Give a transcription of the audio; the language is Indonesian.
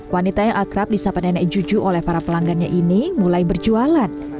wanita yang akrab di sapa nenek juju oleh para pelanggannya ini mulai berjualan